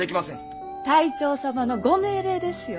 隊長様の御命令ですよ。